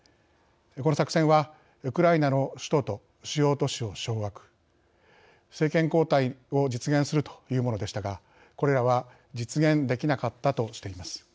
この作戦はウクライナの首都と主要都市を掌握政権交代を実現するというものでしたがこれらは実現できなかったとしています。